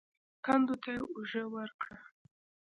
کندو ته يې اوږه ورکړه.